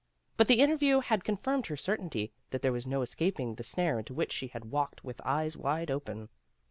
But the interview had con firmed her certainty that there was no escaping the snare into which she had walked with eyes wide open.